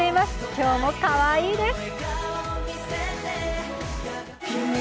今日もかわいいです。